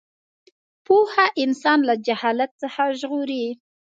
پوهه انسان له جهالت څخه ژغوري.